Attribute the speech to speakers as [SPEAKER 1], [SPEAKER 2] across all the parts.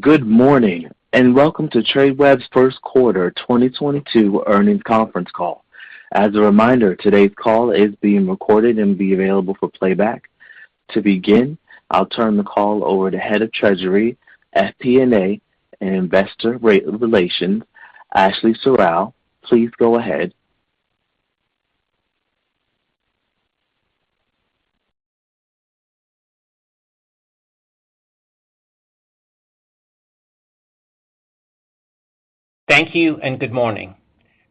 [SPEAKER 1] Good morning, and welcome to Tradeweb's Q1 2022 Earnings Conference Call. As a reminder, today's call is being recorded and will be available for playback. To begin, I'll turn the call over to Head of Treasury, FP&A, and Investor Relations, Ashley Serrao. Please go ahead.
[SPEAKER 2] Thank you and good morning.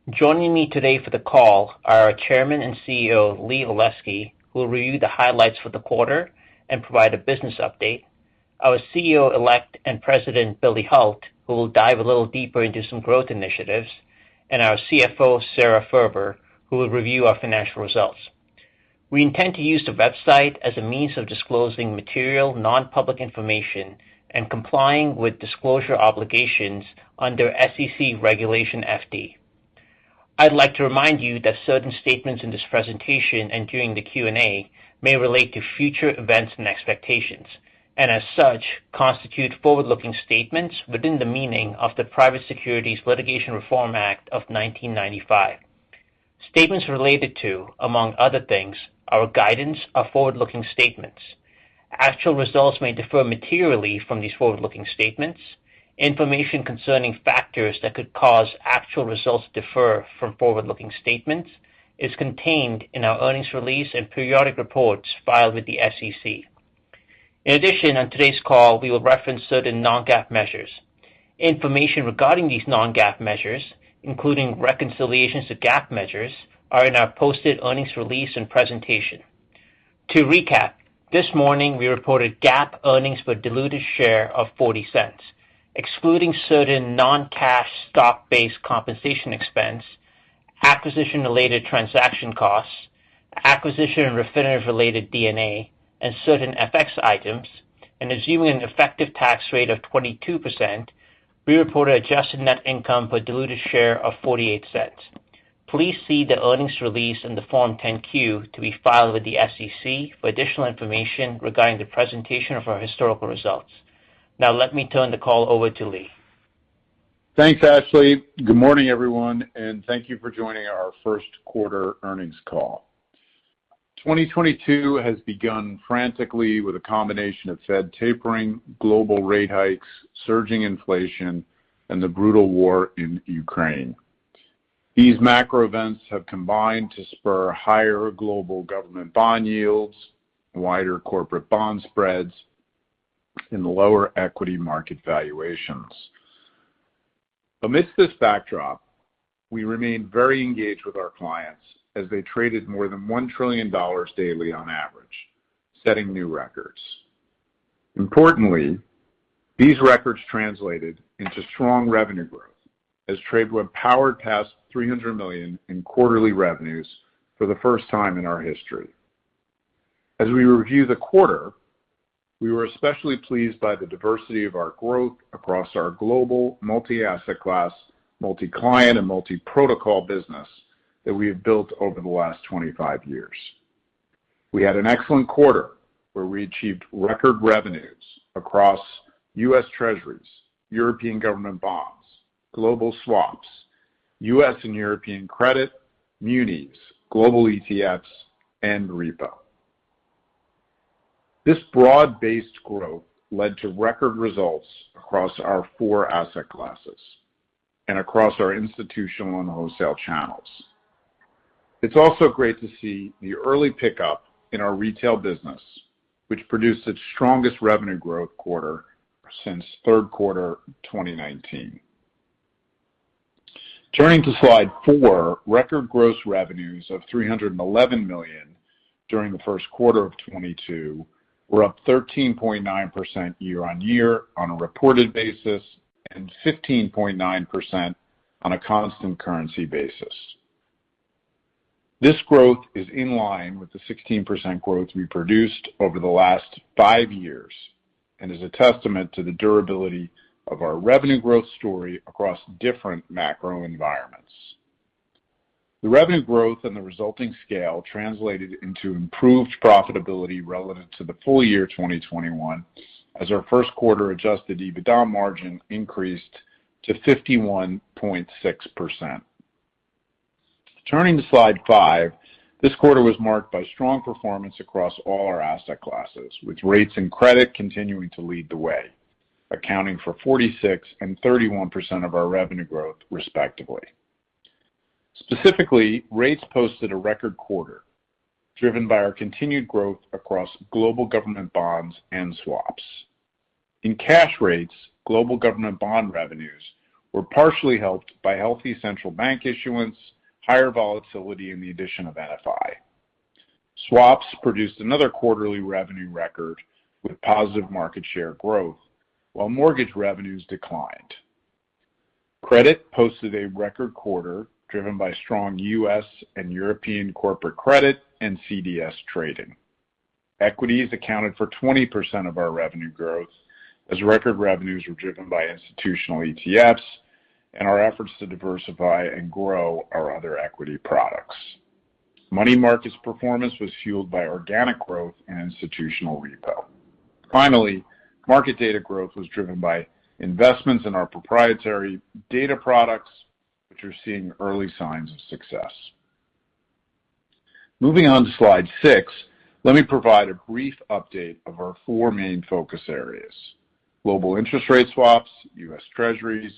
[SPEAKER 2] Joining me today for the call are our Chairman and CEO, Lee Olesky, who will review the highlights for the quarter and provide a business update. Our CEO-elect and President, Billy Hult, who will dive a little deeper into some growth initiatives, and our CFO, Sara Furber, who will review our financial results. We intend to use the website as a means of disclosing material non-public information and complying with disclosure obligations under SEC Regulation FD. I'd like to remind you that certain statements in this presentation and during the Q&A may relate to future events and expectations, and as such, constitute forward-looking statements within the meaning of the Private Securities Litigation Reform Act of 1995. Statements related to, among other things, our guidance are forward-looking statements. Actual results may differ materially from these forward-looking statements. Information concerning factors that could cause actual results to differ from forward-looking statements is contained in our earnings release and periodic reports filed with the SEC. In addition, on today's call, we will reference certain non-GAAP measures. Information regarding these non-GAAP measures, including reconciliations to GAAP measures, are in our posted earnings release and presentation. To recap, this morning we reported GAAP earnings per diluted share of $0.40. Excluding certain non-cash stock-based compensation expense, acquisition-related transaction costs, acquisition and Refinitiv-related D&A, and certain FX items, and assuming an effective tax rate of 22%, we reported adjusted net income per diluted share of $0.48. Please see the earnings release in the Form 10-Q to be filed with the SEC for additional information regarding the presentation of our historical results. Now let me turn the call over to Lee.
[SPEAKER 3] Thanks, Ashley. Good morning, everyone, and thank you for joining our Q1 earnings call. 2022 has begun frantically with a combination of Fed tapering, global rate hikes, surging inflation, and the brutal war in Ukraine. These macro events have combined to spur higher global government bond yields, wider corporate bond spreads, and lower equity market valuations. Amidst this backdrop, we remain very engaged with our clients as they traded more than $1 trillion daily on average, setting new records. Importantly, these records translated into strong revenue growth as Tradeweb powered past $300 million in quarterly revenues for the first time in our history. As we review the quarter, we were especially pleased by the diversity of our growth across our global multi-asset class, multi-client, and multi-protocol business that we have built over the last 25 years. We had an excellent quarter where we achieved record revenues across US Treasuries, European government bonds, global swaps, U.S. and European credit, munis, global ETFs, and repo. This broad-based growth led to record results across our four asset classes and across our institutional and wholesale channels. It's also great to see the early pickup in our retail business, which produced its strongest revenue growth quarter since Q3 2019. Turning to slide four, record gross revenues of $311 million during the Q1 of 2022 were up 13.9% year-on-year on a reported basis, and 15.9% on a constant currency basis. This growth is in line with the 16% growth we produced over the last five years and is a testament to the durability of our revenue growth story across different macro environments. The revenue growth and the resulting scale translated into improved profitability relative to the full year 2021 as our Q1 Adjusted EBITDA margin increased to 51.6%. Turning to slide five, this quarter was marked by strong performance across all our asset classes, with rates and credit continuing to lead the way, accounting for 46% and 31% of our revenue growth, respectively. Specifically, rates posted a record quarter, driven by our continued growth across global government bonds and swaps. In cash rates, global government bond revenues were partially helped by healthy central bank issuance, higher volatility, and the addition of NFI. Swaps produced another quarterly revenue record with positive market share growth, while mortgage revenues declined. Credit posted a record quarter, driven by strong U.S. and European corporate credit and CDS trading. Equities accounted for 20% of our revenue growth, as record revenues were driven by institutional ETFs and our efforts to diversify and grow our other equity products. Money markets performance was fueled by organic growth and institutional repo. Finally, market data growth was driven by investments in our proprietary data products, which are seeing early signs of success. Moving on to slide six, let me provide a brief update of our four main focus areas, global interest rate swaps, US Treasuries,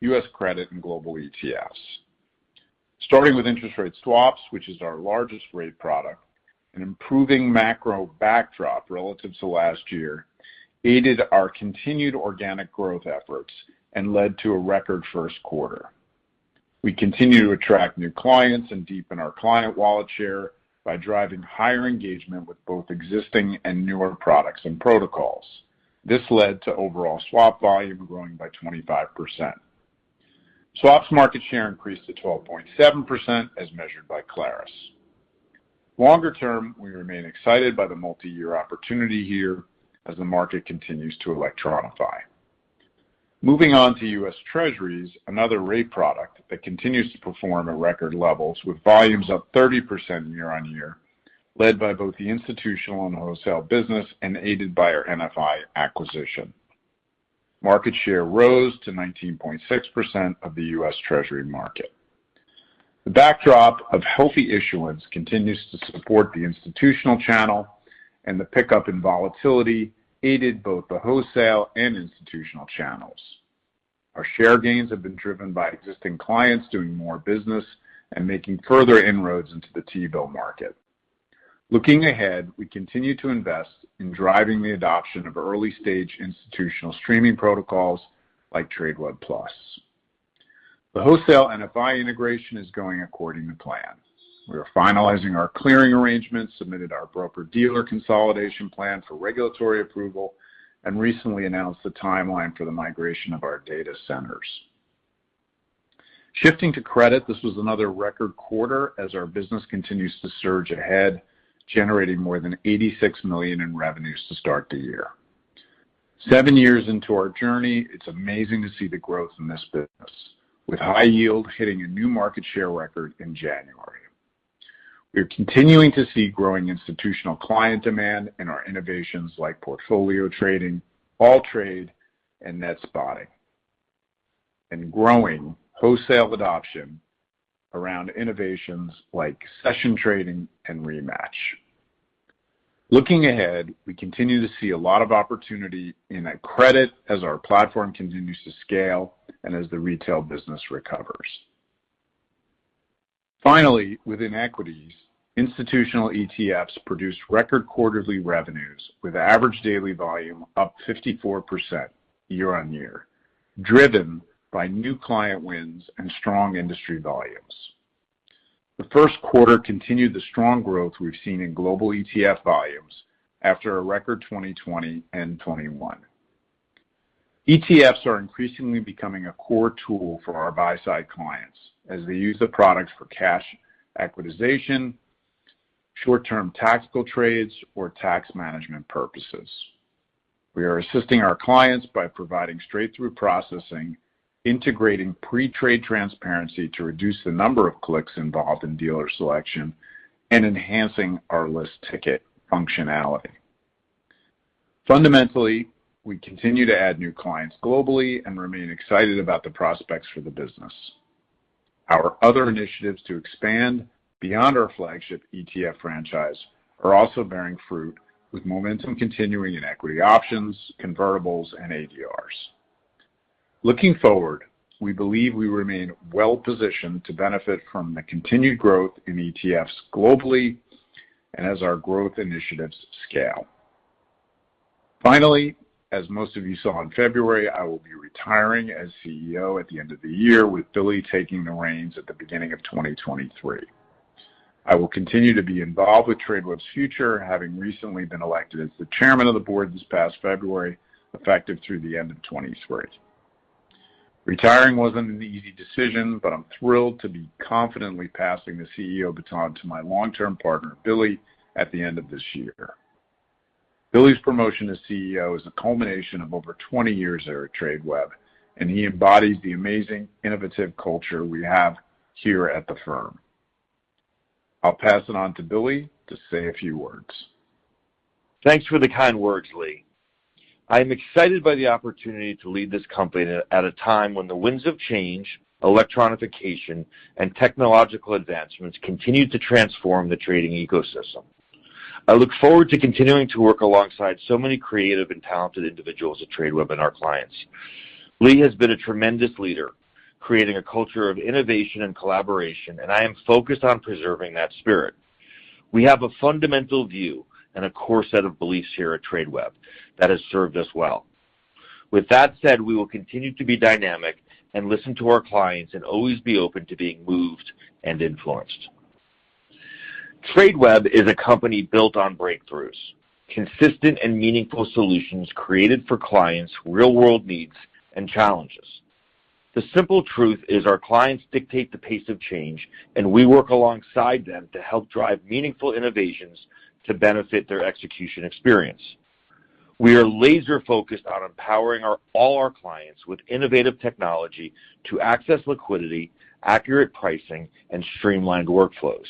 [SPEAKER 3] US credit, and global ETFs. Starting with interest rate swaps, which is our largest rate product, an improving macro backdrop relative to last year aided our continued organic growth efforts and led to a record Q1. We continue to attract new clients and deepen our client wallet share by driving higher engagement with both existing and newer products and protocols. This led to overall swap volume growing by 25%. Swaps market share increased to 12.7% as measured by Clarus. Longer term, we remain excited by the multi-year opportunity here as the market continues to electronify. Moving on to US Treasuries, another rate product that continues to perform at record levels with volumes up 30% year-on-year, led by both the institutional and wholesale business and aided by our NFI acquisition. Market share rose to 19.6% of the US Treasury market. The backdrop of healthy issuance continues to support the institutional channel, and the pickup in volatility aided both the wholesale and institutional channels. Our share gains have been driven by existing clients doing more business and making further inroads into the T-bill market. Looking ahead, we continue to invest in driving the adoption of early-stage institutional streaming protocols like Tradeweb Plus. The wholesale NFI integration is going according to plan. We are finalizing our clearing arrangements, submitted our broker-dealer consolidation plan for regulatory approval, and recently announced the timeline for the migration of our data centers. Shifting to credit, this was another record quarter as our business continues to surge ahead, generating more than $86 million in revenues to start the year. Seven years into our journey, it's amazing to see the growth in this business, with high yield hitting a new market share record in January. We are continuing to see growing institutional client demand in our innovations like portfolio trading, AllTrade, and net spotting, and growing wholesale adoption around innovations like session trading and Rematch. Looking ahead, we continue to see a lot of opportunity in that credit as our platform continues to scale and as the retail business recovers. Finally, within equities, institutional ETFs produced record quarterly revenues with average daily volume up 54% year-on-year, driven by new client wins and strong industry volumes. The Q1 continued the strong growth we've seen in global ETF volumes after a record 2020 and 2021. ETFs are increasingly becoming a core tool for our buy-side clients as they use the products for cash equitization, short-term tactical trades, or tax management purposes. We are assisting our clients by providing straight-through processing, integrating pre-trade transparency to reduce the number of clicks involved in dealer selection, and enhancing our list ticket functionality. Fundamentally, we continue to add new clients globally and remain excited about the prospects for the business. Our other initiatives to expand beyond our flagship ETF franchise are also bearing fruit, with momentum continuing in equity options, convertibles, and ADRs. Looking forward, we believe we remain well-positioned to benefit from the continued growth in ETFs globally and as our growth initiatives scale. Finally, as most of you saw in February, I will be retiring as CEO at the end of the year, with Billy taking the reins at the beginning of 2023. I will continue to be involved with Tradeweb's future, having recently been elected as the chairman of the board this past February, effective through the end of 2023. Retiring wasn't an easy decision, but I'm thrilled to be confidently passing the CEO baton to my long-term partner, Billy, at the end of this year. Billy's promotion to CEO is a culmination of over 20 years here at Tradeweb, and he embodies the amazing, innovative culture we have here at the firm. I'll pass it on to Billy to say a few words.
[SPEAKER 4] Thanks for the kind words, Lee. I am excited by the opportunity to lead this company at a time when the winds of change, electronification, and technological advancements continue to transform the trading ecosystem. I look forward to continuing to work alongside so many creative and talented individuals at Tradeweb and our clients. Lee has been a tremendous leader, creating a culture of innovation and collaboration, and I am focused on preserving that spirit. We have a fundamental view and a core set of beliefs here at Tradeweb that has served us well. With that said, we will continue to be dynamic and listen to our clients and always be open to being moved and influenced. Tradeweb is a company built on breakthroughs, consistent and meaningful solutions created for clients' real-world needs and challenges. The simple truth is our clients dictate the pace of change, and we work alongside them to help drive meaningful innovations to benefit their execution experience. We are laser focused on empowering our, all our clients with innovative technology to access liquidity, accurate pricing, and streamlined workflows.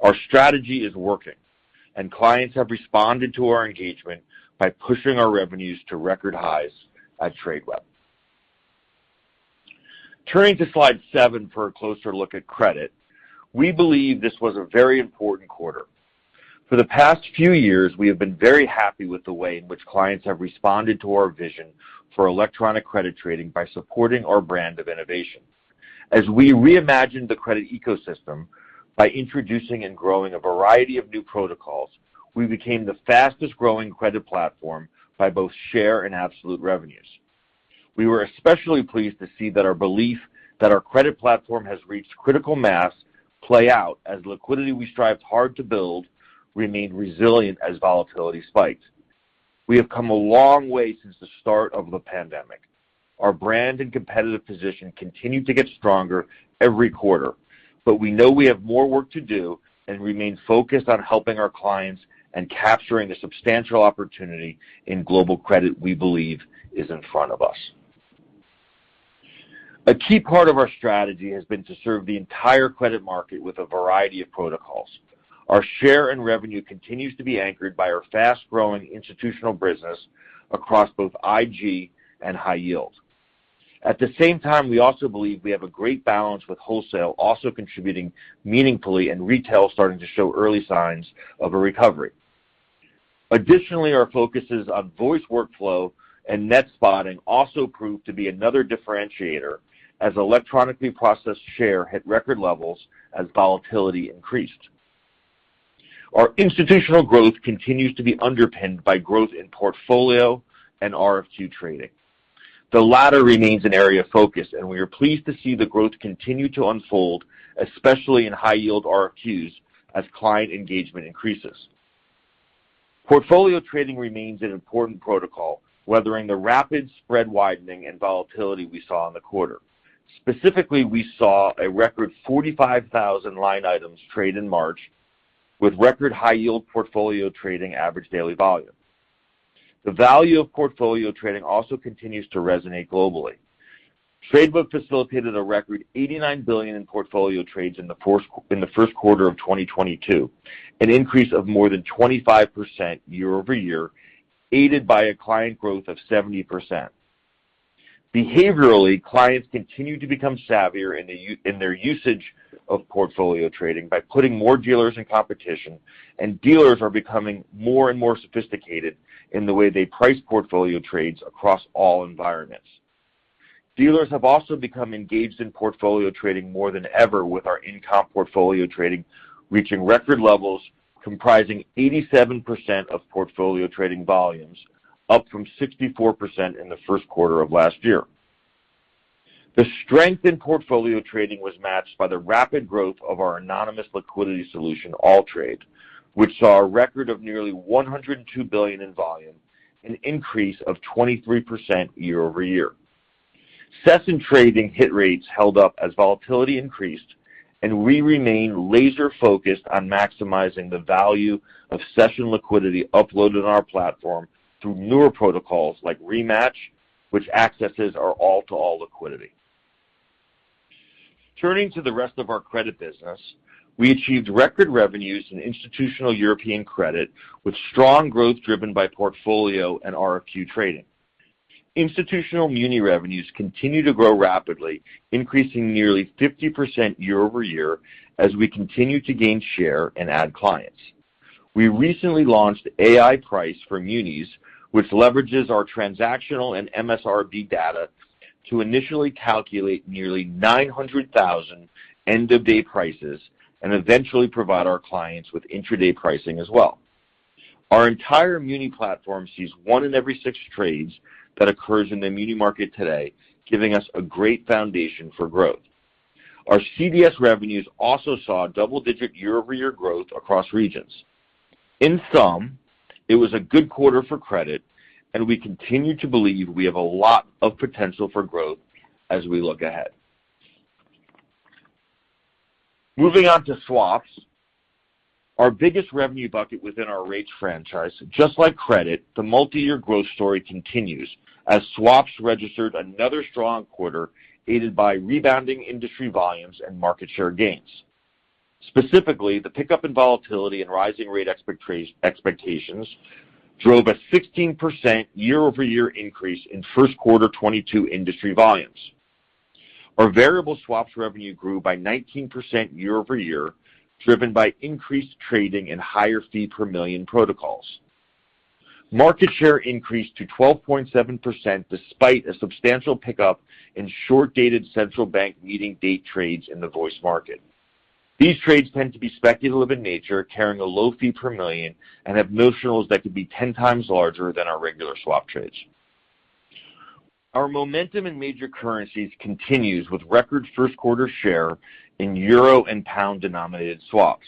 [SPEAKER 4] Our strategy is working, and clients have responded to our engagement by pushing our revenues to record highs at Tradeweb. Turning to slide seven for a closer look at credit. We believe this was a very important quarter. For the past few years, we have been very happy with the way in which clients have responded to our vision for electronic credit trading by supporting our brand of innovation. As we reimagined the credit ecosystem by introducing and growing a variety of new protocols, we became the fastest-growing credit platform by both share and absolute revenues. We were especially pleased to see that our belief that our credit platform has reached critical mass play out as liquidity we strived hard to build remained resilient as volatility spiked. We have come a long way since the start of the pandemic. Our brand and competitive position continue to get stronger every quarter. We know we have more work to do and remain focused on helping our clients and capturing the substantial opportunity in global credit we believe is in front of us. A key part of our strategy has been to serve the entire credit market with a variety of protocols. Our share and revenue continues to be anchored by our fast-growing institutional business across both IG and high yield. At the same time, we also believe we have a great balance with wholesale also contributing meaningfully and retail starting to show early signs of a recovery. Additionally, our focus on voice workflow and net spotting also proved to be another differentiator as Electronically Processed shares hit record levels as volatility increased. Our institutional growth continues to be underpinned by growth in portfolio and RFQ trading. The latter remains an area of focus, and we are pleased to see the growth continue to unfold, especially in high-yield RFQs, as client engagement increases. Portfolio trading remains an important protocol, weathering the rapid spread widening and volatility we saw in the quarter. Specifically, we saw a record 45,000 line items trade in March, with record high-yield portfolio trading average daily volume. The value of portfolio trading also continues to resonate globally. Tradeweb facilitated a record $89 billion in portfolio trades in the Q1 of 2022, an increase of more than 25% year-over-year, aided by a client growth of 70%. Behaviorally, clients continue to become savvier in the U.S. in their usage of portfolio trading by putting more dealers in competition, and dealers are becoming more and more sophisticated in the way they price portfolio trades across all environments. Dealers have also become engaged in portfolio trading more than ever with our in-comp portfolio trading, reaching record levels comprising 87% of portfolio trading volumes, up from 64% in the Q1 of last year. The strength in portfolio trading was matched by the rapid growth of our anonymous liquidity solution, AllTrade, which saw a record of nearly $102 billion in volume, an increase of 23% year-over-year. Session trading hit rates held up as volatility increased, and we remain laser-focused on maximizing the value of session liquidity uploaded on our platform through newer protocols like Rematch, which accesses our all-to-all liquidity. Turning to the rest of our credit business, we achieved record revenues in institutional European credit, with strong growth driven by portfolio and RFQ trading. Institutional muni revenues continue to grow rapidly, increasing nearly 50% year-over-year as we continue to gain share and add clients. We recently launched Ai-Price for munis, which leverages our transactional and MSRB data to initially calculate nearly 900,000 end-of-day prices and eventually provide our clients with intraday pricing as well. Our entire muni platform sees one in every six trades that occurs in the muni market today, giving us a great foundation for growth. Our CDS revenues also saw double-digit year-over-year growth across regions. In sum, it was a good quarter for credit, and we continue to believe we have a lot of potential for growth as we look ahead. Moving on to swaps, our biggest revenue bucket within our rates franchise. Just like credit, the multiyear growth story continues as swaps registered another strong quarter, aided by rebounding industry volumes and market share gains. Specifically, the pickup in volatility and rising rate expectations drove a 16% year-over-year increase in Q1 2022 industry volumes. Our variable swaps revenue grew by 19% year-over-year, driven by increased trading and higher fee per million protocols. Market share increased to 12.7% despite a substantial pickup in short-dated central bank meeting date trades in the voice market. These trades tend to be speculative in nature, carrying a low fee per million, and have notionals that could be 10 times larger than our regular swap trades. Our momentum in major currencies continues with record Q1 share in euro and pound-denominated swaps.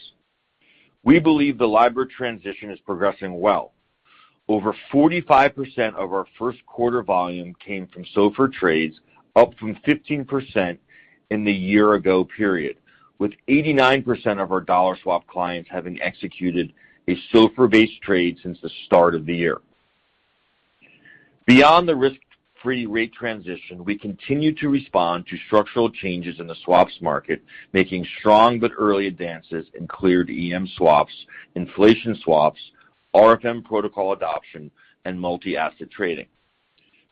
[SPEAKER 4] We believe the LIBOR transition is progressing well. Over 45% of our Q1 volume came from SOFR trades, up from 15% in the year ago period, with 89% of our dollar swap clients having executed a SOFR-based trade since the start of the year. Beyond the risk-free rate transition, we continue to respond to structural changes in the swaps market, making strong but early advances in cleared EM swaps, inflation swaps, RFM protocol adoption, and multi-asset trading.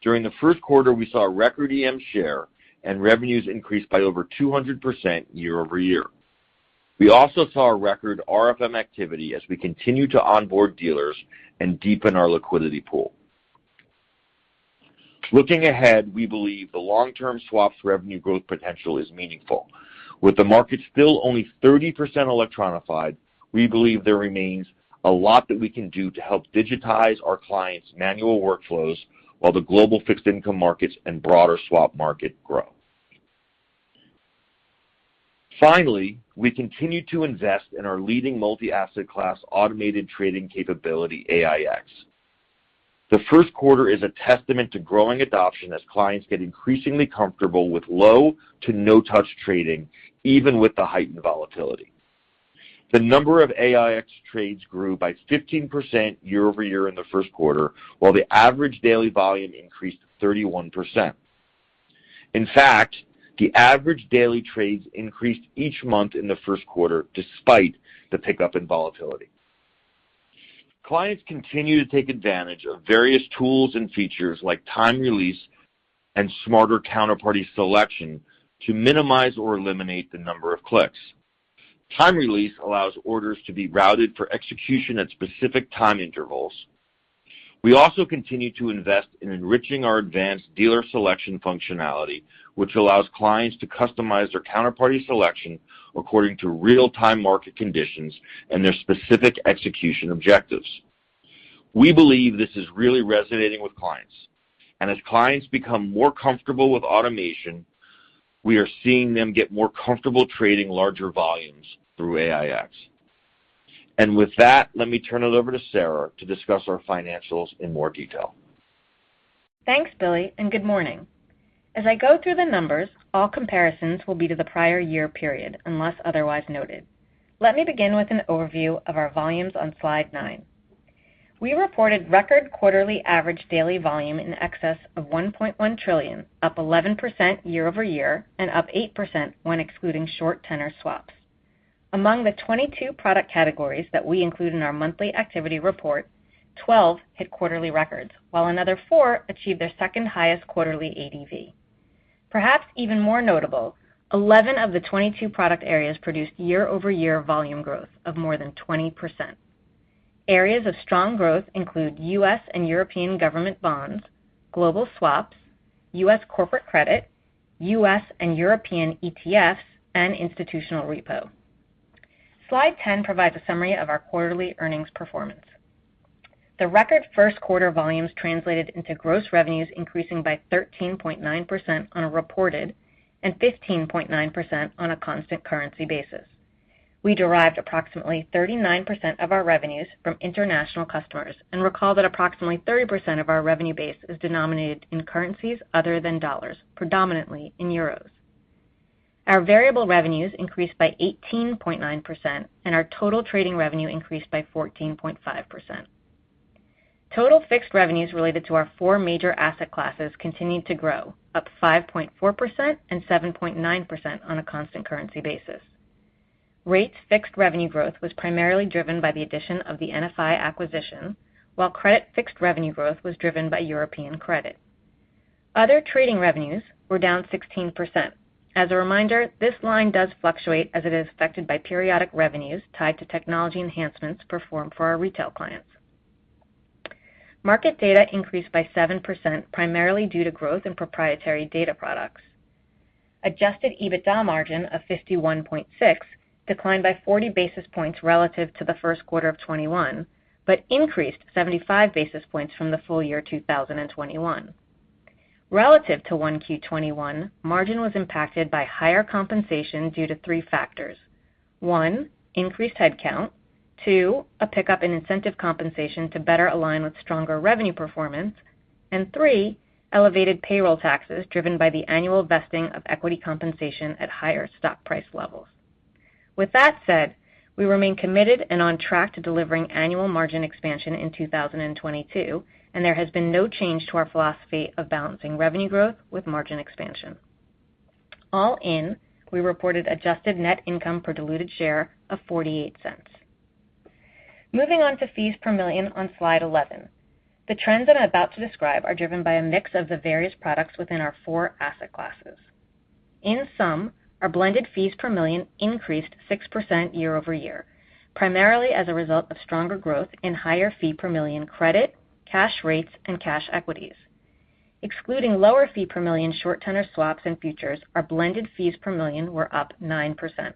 [SPEAKER 4] During the Q1, we saw a record EM share and revenues increased by over 200% year-over-year. We also saw a record RFM activity as we continue to onboard dealers and deepen our liquidity pool. Looking ahead, we believe the long-term swaps revenue growth potential is meaningful. With the market still only 30% electronified, we believe there remains a lot that we can do to help digitize our clients' manual workflows while the global fixed income markets and broader swap market grow. Finally, we continue to invest in our leading multi-asset class automated trading capability, AiEX. The Q1 is a testament to growing adoption as clients get increasingly comfortable with low to no touch trading, even with the heightened volatility. The number of AiEX trades grew by 15% year-over-year in the Q1, while the average daily volume increased 31%. In fact, the average daily trades increased each month in the Q1 despite the pickup in volatility. Clients continue to take advantage of various tools and features like time release and smarter counterparty selection to minimize or eliminate the number of clicks. Time release allows orders to be routed for execution at specific time intervals. We also continue to invest in enriching our advanced dealer selection functionality, which allows clients to customize their counterparty selection according to real-time market conditions and their specific execution objectives. We believe this is really resonating with clients. As clients become more comfortable with automation, we are seeing them get more comfortable trading larger volumes through AiEX. With that, let me turn it over to Sara to discuss our financials in more detail.
[SPEAKER 5] Thanks, Billy, and good morning. As I go through the numbers, all comparisons will be to the prior year period unless otherwise noted. Let me begin with an overview of our volumes on slide nine. We reported record quarterly average daily volume in excess of 1.1 trillion, up 11% year-over-year and up 8% when excluding short tenor swaps. Among the 22 product categories that we include in our monthly activity report, 12 hit quarterly records, while another four achieved their second-highest quarterly ADV. Perhaps even more notable, 11 of the 22 product areas produced year-over-year volume growth of more than 20%. Areas of strong growth include US and European government bonds, global swaps, U.S. corporate credit, U.S. and European ETFs and institutional repo. Slide 10 provides a summary of our quarterly earnings performance. The record Q1 volumes translated into gross revenues increasing by 13.9% on a reported basis and 15.9% on a constant currency basis. We derived approximately 39% of our revenues from international customers and recall that approximately 30% of our revenue base is denominated in currencies other than dollars, predominantly in euros. Our variable revenues increased by 18.9%, and our total trading revenue increased by 14.5%. Total fixed revenues related to our four major asset classes continued to grow, up 5.4% and 7.9% on a constant currency basis. Rates fixed revenue growth was primarily driven by the addition of the NFI acquisition, while credit fixed revenue growth was driven by European credit. Other trading revenues were down 16%. As a reminder, this line does fluctuate as it is affected by periodic revenues tied to technology enhancements performed for our retail clients. Market data increased by 7%, primarily due to growth in proprietary data products. Adjusted EBITDA margin of 51.6 declined by 40 basis points relative to the Q1 of 2021, but increased 75 basis points from the full year 2021. Relative to 1Q 2021, margin was impacted by higher compensation due to three factors. One, increased headcount, two, a pickup in incentive compensation to better align with stronger revenue performance, and three, elevated payroll taxes driven by the annual vesting of equity compensation at higher stock price levels. With that said, we remain committed and on track to delivering annual margin expansion in 2022, and there has been no change to our philosophy of balancing revenue growth with margin expansion. All in, we reported adjusted net income per diluted share of $0.48. Moving on to fees per million on slide 11. The trends that I'm about to describe are driven by a mix of the various products within our four asset classes. In sum, our blended fees per million increased 6% year-over-year, primarily as a result of stronger growth in higher fee per million credit, cash rates, and cash equities. Excluding lower fee per million short tenor swaps and futures, our blended fees per million were up 9%.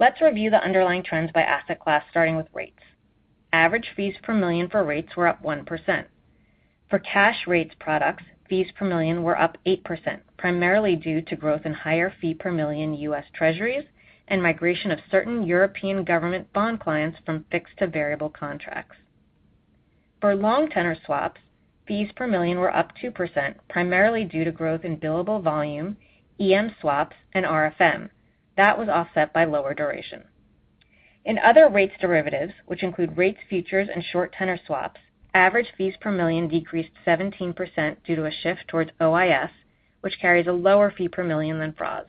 [SPEAKER 5] Let's review the underlying trends by asset class, starting with rates. Average fees per million for rates were up 1%. For cash rates products, fees per million were up 8%, primarily due to growth in higher fee per million US Treasuries and migration of certain European government bond clients from fixed to variable contracts. For long tenor swaps, fees per million were up 2%, primarily due to growth in billable volume, EM swaps, and RFM. That was offset by lower duration. In other rates derivatives, which include rates futures and short tenor swaps, average fees per million decreased 17% due to a shift towards OIS, which carries a lower fee per million than FRAs.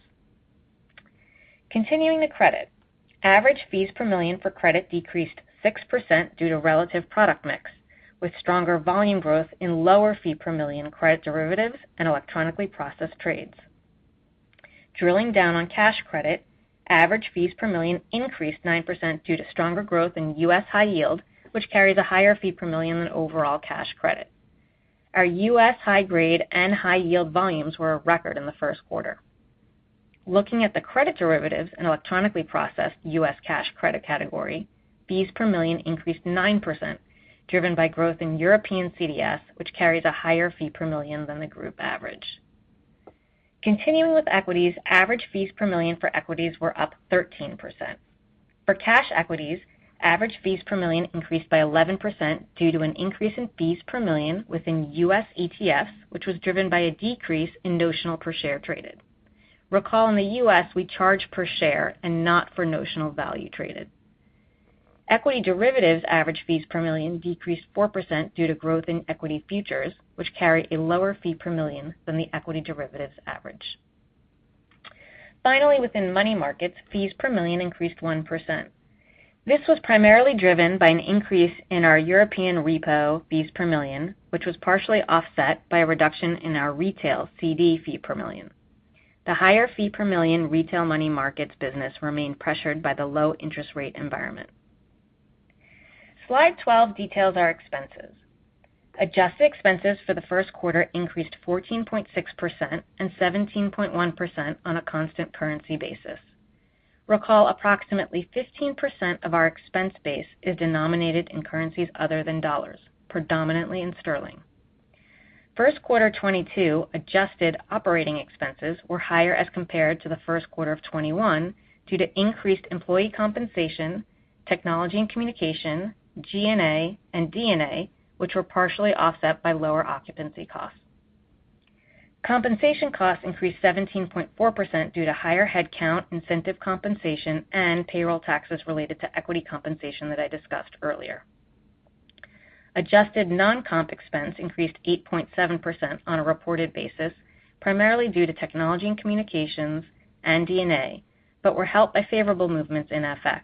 [SPEAKER 5] Continuing to credit, average fees per million for credit decreased 6% due to relative product mix, with stronger volume growth in lower fee per million credit derivatives and Electronically Processed trades. Drilling down on cash credit, average fees per million increased 9% due to stronger growth in U.S. high yield, which carries a higher fee per million than overall cash credit. Our U.S. high grade and high yield volumes were a record in the Q1. Looking at the credit derivatives and electronically processed U.S. cash credit category, fees per million increased 9%, driven by growth in European CDS, which carries a higher fee per million than the group average. Continuing with equities, average fees per million for equities were up 13%. For cash equities, average fees per million increased by 11% due to an increase in fees per million within U.S. ETFs, which was driven by a decrease in notional per share traded. Recall in the U.S., we charge per share and not for notional value traded. Equity derivatives average fees per million decreased 4% due to growth in equity futures, which carry a lower fee per million than the equity derivatives average. Finally, within money markets, fees per million increased 1%. This was primarily driven by an increase in our European repo fees per million, which was partially offset by a reduction in our retail CD fee per million. The higher fee per million retail money markets business remained pressured by the low interest rate environment. Slide 12 details our expenses. Adjusted expenses for the Q1 increased 14.6% and 17.1% on a constant currency basis. Recall approximately 15% of our expense base is denominated in currencies other than dollars, predominantly in sterling. Q1 2022 adjusted operating expenses were higher as compared to the Q1 of 2021 due to increased employee compensation, technology and communication, G&A, and D&A, which were partially offset by lower occupancy costs. Compensation costs increased 17.4% due to higher headcount, incentive compensation, and payroll taxes related to equity compensation that I discussed earlier. Adjusted non-comp expense increased 8.7% on a reported basis, primarily due to technology and communications and D&A, but were helped by favorable movements in FX.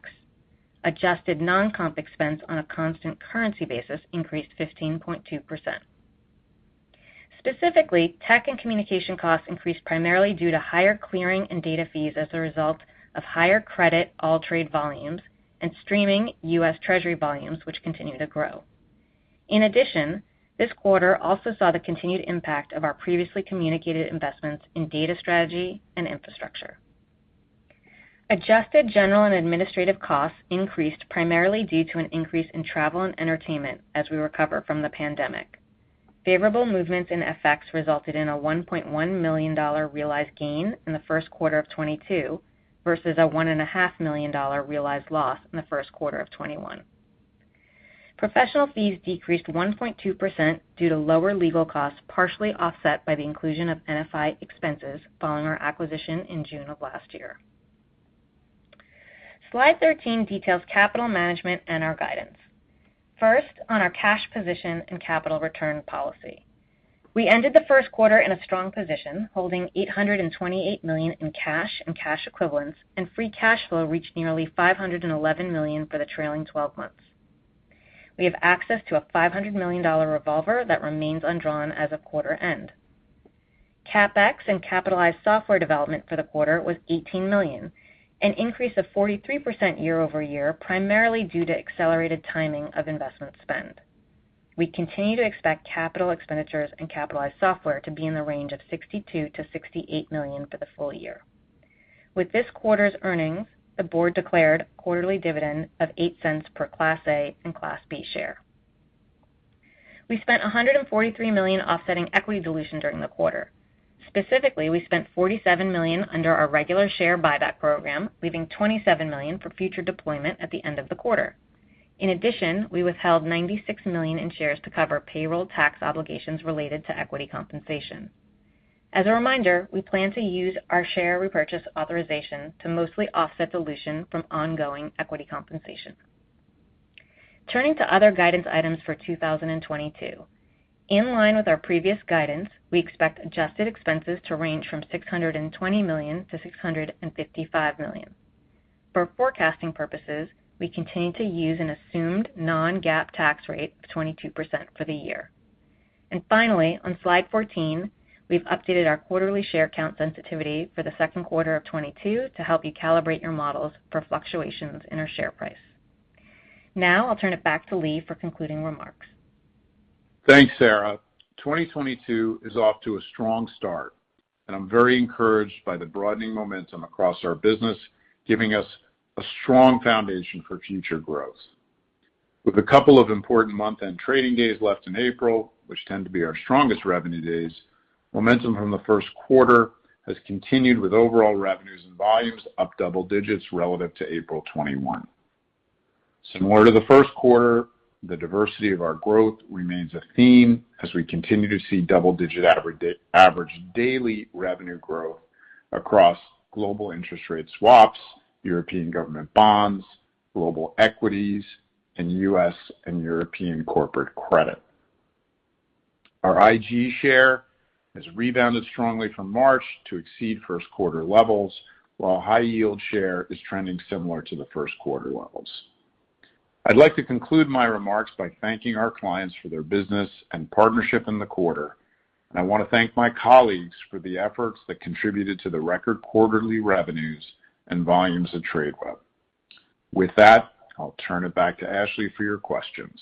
[SPEAKER 5] Adjusted non-comp expense on a constant currency basis increased 15.2%. Specifically, tech and communication costs increased primarily due to higher clearing and data fees as a result of higher credit AllTrade volumes and streaming US Treasury volumes, which continue to grow. In addition, this quarter also saw the continued impact of our previously communicated investments in data strategy and infrastructure. Adjusted general and administrative costs increased primarily due to an increase in travel and entertainment as we recover from the pandemic. Favorable movements in FX resulted in a $1.1 million realized gain in the Q1 of 2022 versus a $1.5 million realized loss in the Q1 of 2021. Professional fees decreased 1.2% due to lower legal costs, partially offset by the inclusion of NFI expenses following our acquisition in June of last year. Slide 13 details capital management and our guidance. First, on our cash position and capital return policy. We ended the Q1 in a strong position, holding $828 million in cash and cash equivalents, and free cash flow reached nearly $511 million for the trailing twelve months. We have access to a $500 million revolver that remains undrawn as of quarter end. CapEx and capitalized software development for the quarter was $18 million, an increase of 43% year-over-year, primarily due to accelerated timing of investment spend. We continue to expect capital expenditures and capitalized software to be in the range of $62 million-$68 million for the full year. With this quarter's earnings, the board declared a quarterly dividend of $0.08 per Class A and Class B share. We spent $143 million offsetting equity dilution during the quarter. Specifically, we spent $47 million under our regular share buyback program, leaving $27 million for future deployment at the end of the quarter. In addition, we withheld $96 million in shares to cover payroll tax obligations related to equity compensation. As a reminder, we plan to use our share repurchase authorization to mostly offset dilution from ongoing equity compensation. Turning to other guidance items for 2022. In line with our previous guidance, we expect adjusted expenses to range from $620 million-$655 million. For forecasting purposes, we continue to use an assumed non-GAAP tax rate of 22% for the year. Finally, on slide 14, we've updated our quarterly share count sensitivity for the Q2 of 2022 to help you calibrate your models for fluctuations in our share price. Now I'll turn it back to Lee for concluding remarks.
[SPEAKER 3] Thanks, Sara. 2022 is off to a strong start, and I'm very encouraged by the broadening momentum across our business, giving us a strong foundation for future growth. With a couple of important month-end trading days left in April, which tend to be our strongest revenue days, momentum from the Q1 has continued with overall revenues and volumes up double digits relative to April 2021. Similar to the Q1, the diversity of our growth remains a theme as we continue to see double-digit average daily revenue growth across global interest rate swaps, European government bonds, global equities, and U.S. And European corporate credit. Our IG share has rebounded strongly from March to exceed Q1 levels, while high-yield share is trending similar to the Q1 levels. I'd like to conclude my remarks by thanking our clients for their business and partnership in the quarter, and I want to thank my colleagues for the efforts that contributed to the record quarterly revenues and volumes of Tradeweb. With that, I'll turn it back to Ashley for your questions.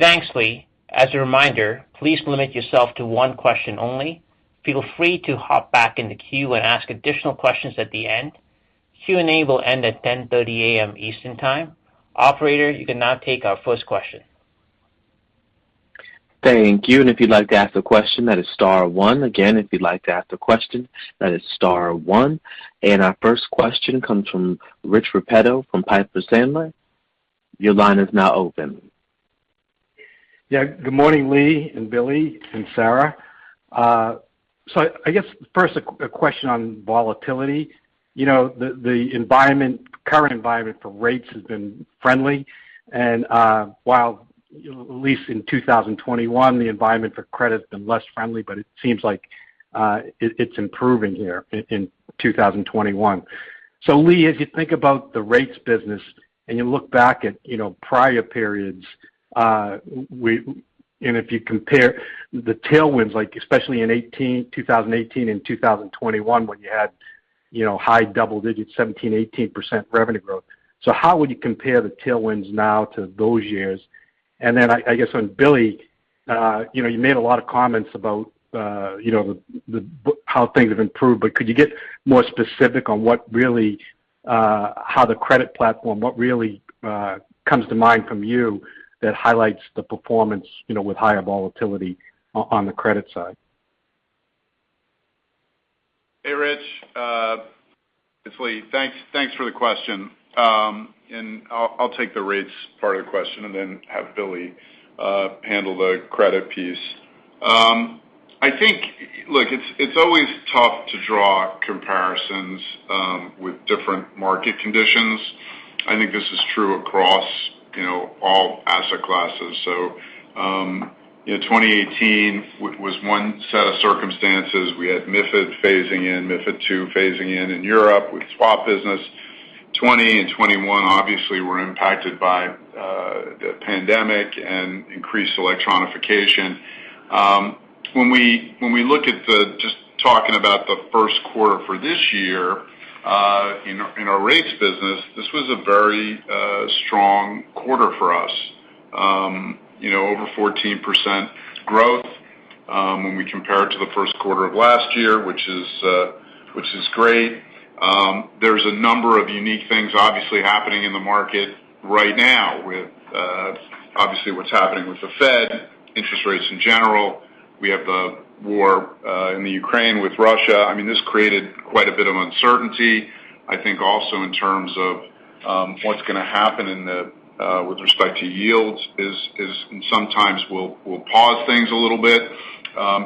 [SPEAKER 2] Thanks, Lee. As a reminder, please limit yourself to one question only. Feel free to hop back in the queue and ask additional questions at the end. Q&A will end at 10:30 A.M. Eastern Time. Operator, you can now take our first question.
[SPEAKER 1] Thank you. If you'd like to ask a question, that is star one. Again, if you'd like to ask a question, that is star one. Our first question comes from Rich Repetto from Piper Sandler. Your line is now open.
[SPEAKER 6] Yeah. Good morning, Lee and Billy and Sara. So I guess first a Q&A question on volatility. You know, the current environment for rates has been friendly and while you know at least in 2021 the environment for credit has been less friendly, but it seems like it's improving here in 2021. Lee, as you think about the rates business and you look back at you know prior periods and if you compare the tailwinds, like especially in 2018 and 2021, when you had you know high double digits, 17%, 18% revenue growth. How would you compare the tailwinds now to those years? I guess on Billy, you know, you made a lot of comments about, you know, how things have improved, but could you get more specific on what really comes to mind from you that highlights the performance, you know, with higher volatility on the credit side?
[SPEAKER 3] Hey, Rich. It's Lee. Thanks for the question. I'll take the rates part of the question and then have Billy handle the credit piece. I think. Look, it's always tough to draw comparisons with different market conditions. I think this is true across, you know, all asset classes. You know, 2018 was one set of circumstances. We had MiFID phasing in, MiFID II phasing in in Europe with swap business. 2020 and 2021 obviously were impacted by the pandemic and increased electronification. When we look at, just talking about the Q1 for this year, in our rates business, this was a very strong quarter for us. You know, over 14% growth, when we compare it to the Q1 of last year, which is great. There's a number of unique things obviously happening in the market right now with, obviously what's happening with the Fed, interest rates in general. We have the war in the Ukraine with Russia. I mean, this created quite a bit of uncertainty. I think also in terms of, what's gonna happen in the with respect to yields is sometimes we'll pause things a little bit,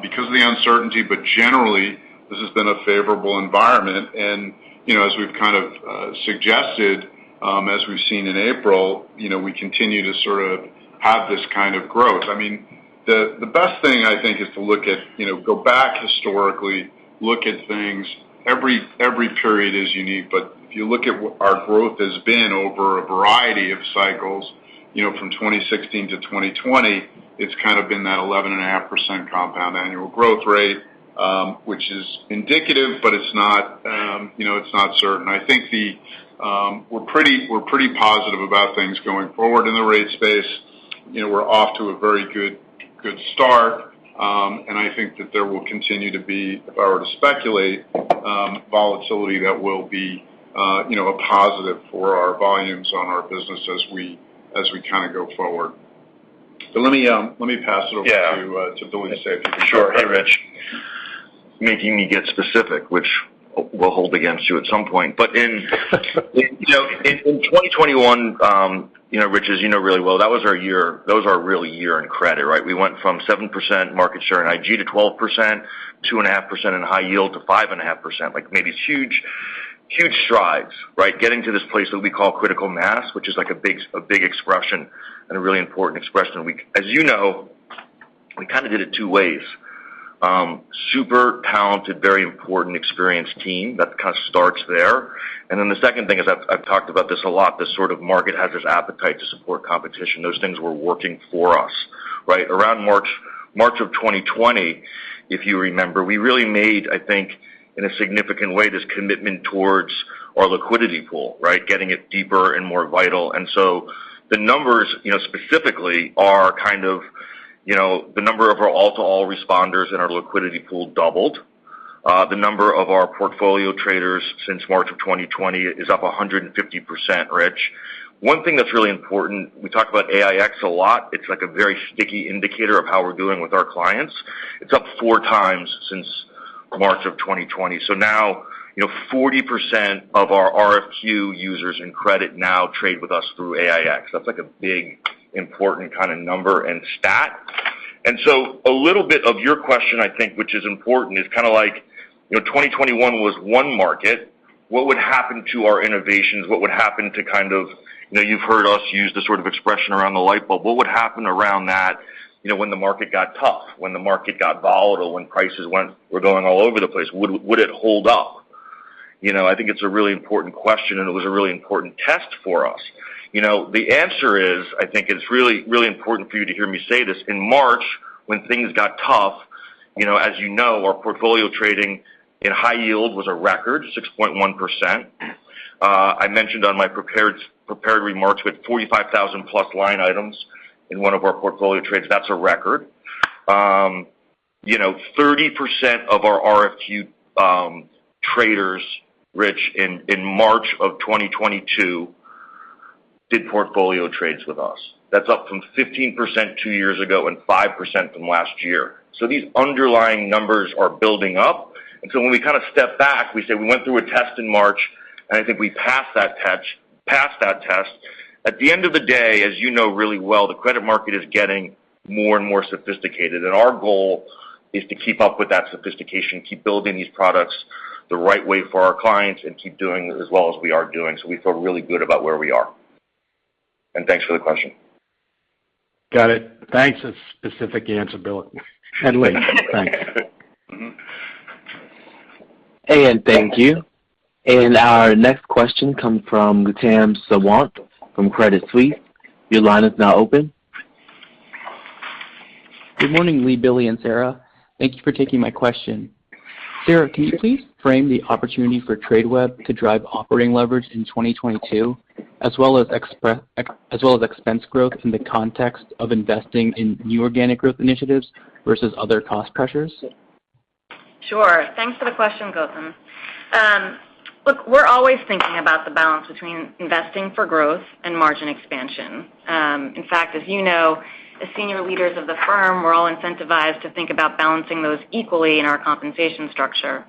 [SPEAKER 3] because of the uncertainty. But generally, this has been a favorable environment. You know, as we've kind of suggested, as we've seen in April, you know, we continue to sort of have this kind of growth. I mean, the best thing I think is to look at, you know, go back historically, look at things. Every period is unique, but if you look at what our growth has been over a variety of cycles, you know, from 2016 to 2020, it's kind of been that 11.5% compound annual growth rate, which is indicative, but it's not, you know, it's not certain. I think. We're pretty positive about things going forward in the rate space. You know, we're off to a very good start. I think that there will continue to be, if I were to speculate, volatility that will be, you know, a positive for our volumes on our business as we kind of go forward. Let me pass it over.
[SPEAKER 4] Yeah.
[SPEAKER 3] to Billy to say a few things.
[SPEAKER 4] Sure. Hey, Rich. Making me get specific, which we'll hold against you at some point. You know, in 2021, you know, Rich, as you know really well, that was our year. That was a really big year in credit, right? We went from 7% market share in IG to 12%, 2.5% in high yield to 5.5%. Like, made these huge strides, right? Getting to this place that we call critical mass, which is like a big expression and a really important expression. As you know, we kind of did it two ways. Super talented, very important, experienced team, that kind of starts there. Then the second thing is I've talked about this a lot, this sort of market has this appetite to support competition. Those things were working for us, right? Around March of 2020, if you remember, we really made, I think, in a significant way, this commitment towards our liquidity pool, right? Getting it deeper and more vital. The numbers, you know, specifically are kind of, you know, the number of our all-to-all responders in our liquidity pool doubled. The number of our portfolio traders since March of 2020 is up 150%, Rich. One thing that's really important, we talk about AiEX a lot. It's like a very sticky indicator of how we're doing with our clients. It's up four times since March of 2020. So now, you know, 40% of our RFQ users in credit now trade with us through AiEX. That's like a big, important kind of number and stat. A little bit of your question, I think, which is important, is kind of like, you know, 2021 was one market. What would happen to our innovations? What would happen to kind of you know, you've heard us use this sort of expression around the light bulb. What would happen around that, you know, when the market got tough, when the market got volatile, when prices were going all over the place, would it hold up? You know, I think it's a really important question, and it was a really important test for us. You know, the answer is, I think it's really, really important for you to hear me say this. In March, when things got tough, you know, as you know, our portfolio trading in high yield was a record, 6.1%. I mentioned on my prepared remarks, we had 45,000-plus line items in one of our portfolio trades. That's a record. You know, 30% of our RFQ traders, Rich, in March 2022 did portfolio trades with us. That's up from 15% two years ago and 5% from last year. These underlying numbers are building up. When we kind of step back, we say we went through a test in March, and I think we passed that test. At the end of the day, as you know really well, the credit market is getting more and more sophisticated, and our goal is to keep up with that sophistication, keep building these products the right way for our clients and keep doing as well as we are doing. We feel really good about where we are. Thanks for the question. Got it. Thanks. A specific answer, Billy and Lee. Thanks.
[SPEAKER 3] Mm-hmm.
[SPEAKER 1] Thank you. Our next question comes from Gautam Sawant from Credit Suisse. Your line is now open.
[SPEAKER 7] Good morning, Lee, Billy, and Sara. Thank you for taking my question. Sara, can you please frame the opportunity for Tradeweb to drive operating leverage in 2022, as well as expense growth in the context of investing in new organic growth initiatives versus other cost pressures?
[SPEAKER 5] Sure. Thanks for the question, Gautam. Look, we're always thinking about the balance between investing for growth and margin expansion. In fact, as you know, as senior leaders of the firm, we're all incentivized to think about balancing those equally in our compensation structure.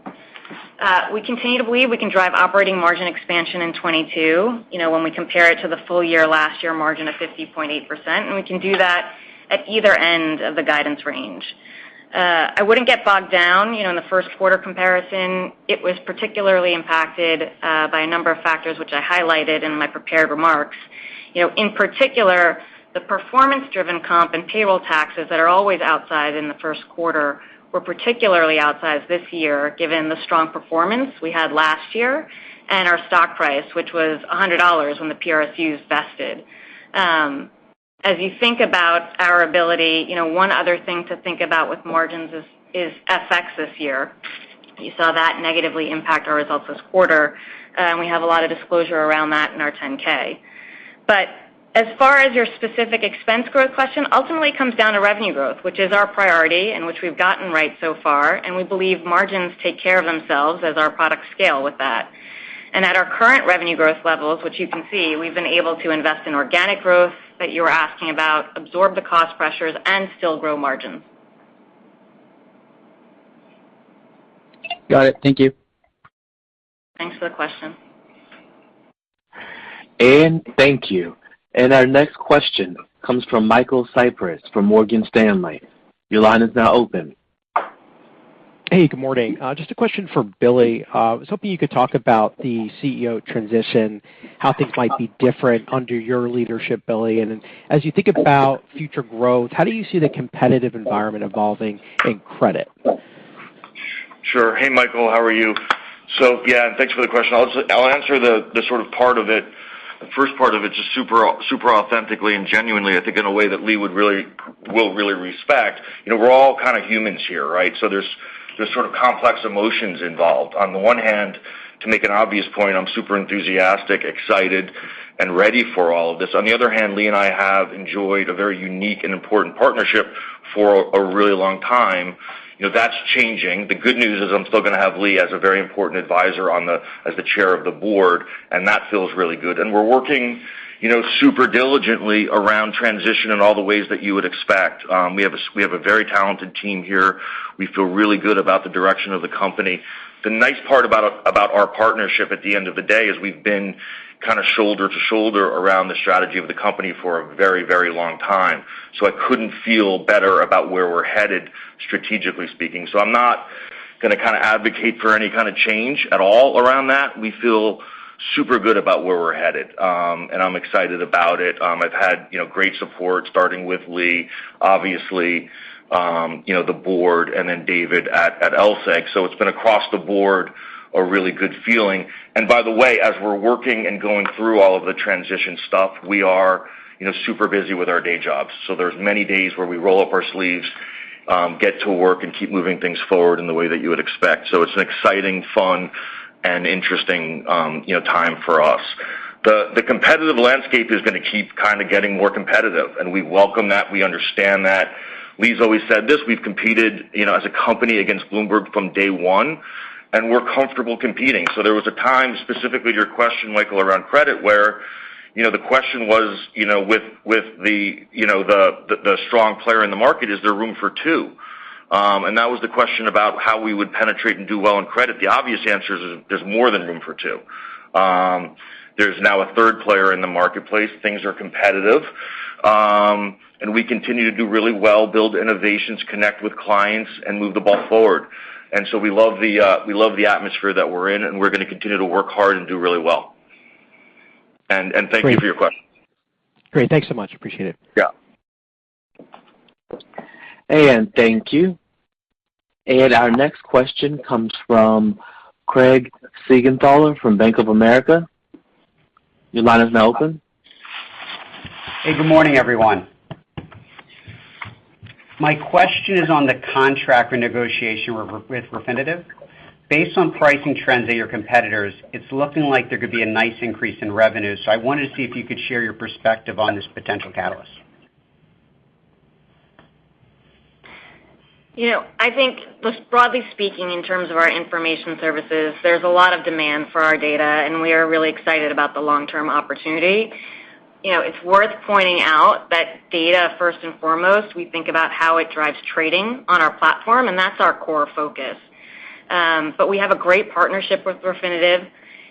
[SPEAKER 5] We continue to believe we can drive operating margin expansion in 2022, you know, when we compare it to the full year last year margin of 50.8%, and we can do that at either end of the guidance range. I wouldn't get bogged down, you know, in the Q1 comparison. It was particularly impacted by a number of factors which I highlighted in my prepared remarks. You know, in particular, the performance-driven comp and payroll taxes that are always outside in the Q1 were particularly outsized this year, given the strong performance we had last year and our stock price, which was $100 when the PRSU vested. As you think about our ability, you know, one other thing to think about with margins is FX this year. You saw that negatively impact our results this quarter, and we have a lot of disclosure around that in our Form 10-K. As far as your specific expense growth question ultimately comes down to revenue growth, which is our priority and which we've gotten right so far, and we believe margins take care of themselves as our products scale with that. At our current revenue growth levels, which you can see, we've been able to invest in organic growth that you were asking about, absorb the cost pressures and still grow margins.
[SPEAKER 7] Got it. Thank you.
[SPEAKER 5] Thanks for the question.
[SPEAKER 1] Thank you. Our next question comes from Michael Cyprys from Morgan Stanley. Your line is now open.
[SPEAKER 8] Hey, good morning. Just a question for Billy. I was hoping you could talk about the CEO transition, how things might be different under your leadership, Billy. Then as you think about future growth, how do you see the competitive environment evolving in credit?
[SPEAKER 4] Sure. Hey, Michael, how are you? Yeah, thanks for the question. I'll answer the sort of part of it, the first part of it, just super authentically and genuinely, I think, in a way that Lee will really respect. You know, we're all kind of humans here, right? There's sort of complex emotions involved. On the one hand, to make an obvious point, I'm super enthusiastic, excited, and ready for all of this. On the other hand, Lee and I have enjoyed a very unique and important partnership for a really long time. You know, that's changing. The good news is I'm still gonna have Lee as a very important advisor as the chair of the board, and that feels really good. We're working, you know, super diligently around transition in all the ways that you would expect. We have a very talented team here. We feel really good about the direction of the company. The nice part about our partnership at the end of the day is we've been kinda shoulder to shoulder around the strategy of the company for a very, very long time. I couldn't feel better about where we're headed strategically speaking. I'm not gonna kinda advocate for any kinda change at all around that. We feel super good about where we're headed. I'm excited about it. I've had, you know, great support starting with Lee, obviously, you know, the board and then David at LSEG. It's been across the board, a really good feeling. By the way, as we're working and going through all of the transition stuff, we are, you know, super busy with our day jobs. There's many days where we roll up our sleeves, get to work and keep moving things forward in the way that you would expect. It's an exciting, fun, and interesting, you know, time for us. The competitive landscape is gonna keep kinda getting more competitive, and we welcome that. We understand that. Lee's always said this, we've competed, you know, as a company against Bloomberg from day one, and we're comfortable competing. There was a time, specifically to your question, Michael, around credit, where the question was, with the strong player in the market, is there room for two? That was the question about how we would penetrate and do well in credit. The obvious answer is, there's more than room for two. There's now a third player in the marketplace. Things are competitive. We continue to do really well, build innovations, connect with clients, and move the ball forward. We love the atmosphere that we're in, and we're gonna continue to work hard and do really well. Thank you for your question.
[SPEAKER 8] Great. Thanks so much. Appreciate it.
[SPEAKER 4] Yeah.
[SPEAKER 1] Thank you. Our next question comes from Craig Siegenthaler from Bank of America. Your line is now open.
[SPEAKER 9] Hey, good morning, everyone. My question is on the contract renegotiation with Refinitiv. Based on pricing trends at your competitors, it's looking like there could be a nice increase in revenue. I wanted to see if you could share your perspective on this potential catalyst.
[SPEAKER 5] You know, I think just broadly speaking, in terms of our information services, there's a lot of demand for our data, and we are really excited about the long-term opportunity. You know, it's worth pointing out that data, first and foremost, we think about how it drives trading on our platform, and that's our core focus. We have a great partnership with Refinitiv,